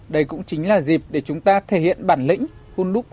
đây cũng chính là dịp để chúng ta thể hiện bản lĩnh hôn đúc